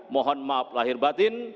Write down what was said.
mohon maaf lahir batin